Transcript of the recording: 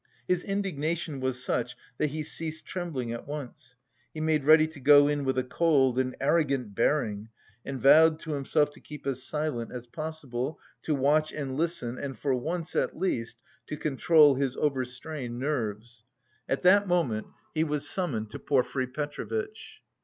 His indignation was such that he ceased trembling at once; he made ready to go in with a cold and arrogant bearing and vowed to himself to keep as silent as possible, to watch and listen and for once at least to control his overstrained nerves. At that moment he was summoned to Porfiry Petrovitch.